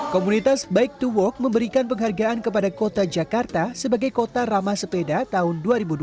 komunitas bike to work memberikan penghargaan kepada kota jakarta sebagai kota ramah sepeda tahun dua ribu dua puluh